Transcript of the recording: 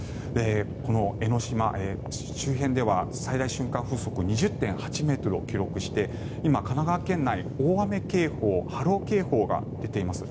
この江の島周辺では最大瞬間風速２０．８ｍを記録して今、神奈川県内大雨警報、波浪警報が出ています。